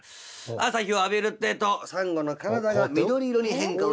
朝日を浴びるってえとサンゴの体が緑色に変化をしてまいりまして。